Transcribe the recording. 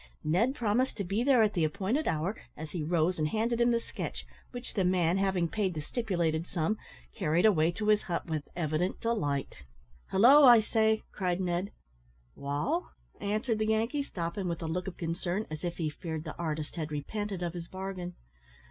Ned promised to be there at the appointed hour, as he rose and handed him the sketch, which the man, having paid the stipulated sum, carried away to his hut with evident delight. "Halloo, I say," cried Ned. "Wall?" answered the Yankee, stopping with a look of concern, as if he feared the artist had repented of his bargain.